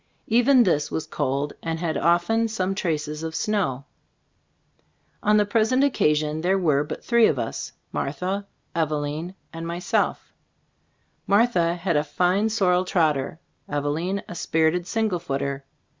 Even this was cold and had often some traces of snow. On the present occasion there were but three of us, Martha, Eveline and 9* CteStocfOf AteCMMKX* mvself. Martha had a fine sorrel trotter, Eveline a spirited single footer.